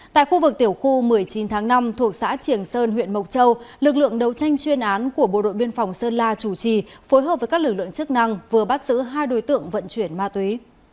tại khu vực tiểu khu một mươi chín tháng năm thuộc xã triển sơn huyện mộc châu lực lượng đấu tranh chuyên án của bộ đội biên phòng sơn la chủ trì phối hợp với các lực lượng chức năng vừa bắt giữ hai đối tượng vận chuyển ma túy